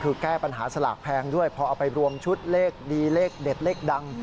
คือแก้ปัญหาสลากแพงด้วยพอเอาไปรวมชุดเลขดีเลขเด็ดเลขดัง